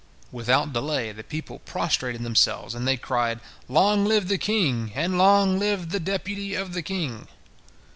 Without delay the people prostrated themselves, and they cried, "Long live the king, and long live the deputy of the king!"